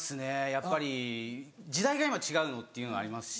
やっぱり時代が今違うのっていうのありますし。